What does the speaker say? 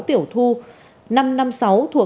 năm sáu tiểu thu thuộc thành phố cà mau